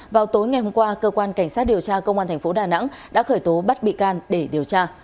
vào tối ngày hôm qua cơ quan cảnh sát điều tra công an thành phố đà nẵng đã khởi tố bắt bị can để điều tra